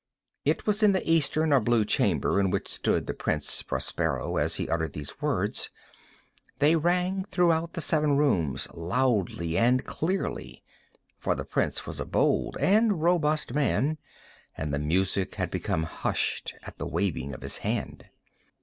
It was in the eastern or blue chamber in which stood the Prince Prospero as he uttered these words. They rang throughout the seven rooms loudly and clearly—for the prince was a bold and robust man, and the music had become hushed at the waving of his hand.